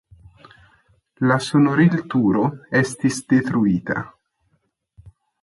La sonorilturo estis detruita.